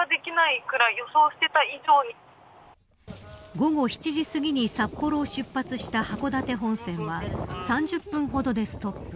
午後７時すぎに札幌を出発した函館本線は３０分ほどでストップ。